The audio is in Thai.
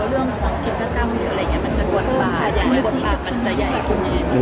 มันจะกวนปลายังไงกวนปลากันจะยังไง